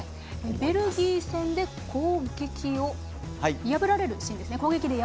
ベルギー戦で攻撃を破られるシーンです。